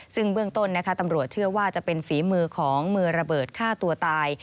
ซึ่งเบื้องต้นตำรวจเชื่อว่าจะเป็นฝีมือของมือระเบิดฆ่าตัวตาย